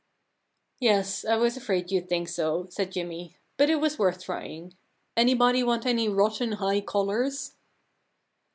* Yes, I was afraid you'd think so,* said Jimmy, * but it was worth trying. Anybody want any rotten high collars